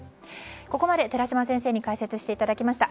ここまで寺嶋先生に解説していただきました。